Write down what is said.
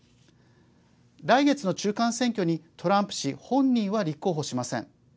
来月の中間選挙にトランプ氏本人は立候補しません。